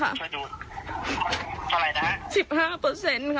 รอใจเย็นก่อนพี่ทีหนึ่ง